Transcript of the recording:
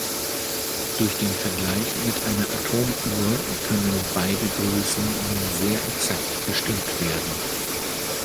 Durch den Vergleich mit einer Atomuhr können beide Grössen nun sehr exakt bestimmt werden.